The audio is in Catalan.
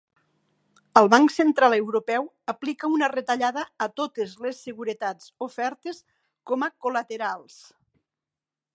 El Banc Central Europeu aplica una retallada a totes les seguretats ofertes com a col·laterals.